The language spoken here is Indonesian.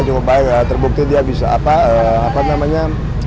cukup baik terbukti dia bisa apa namanya